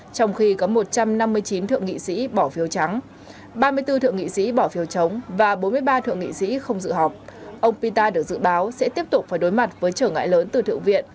trong khi có một trăm năm mươi chín thượng nghị sĩ bỏ phiếu trắng ba mươi bốn thượng nghị sĩ bỏ phiếu chống và bốn mươi ba thượng nghị sĩ không dự họp ông pita được dự báo sẽ tiếp tục phải đối mặt với trở ngại lớn từ thượng viện